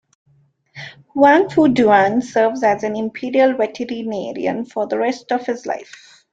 Huangfu Duan serves as an imperial veterinarian for the rest of his life.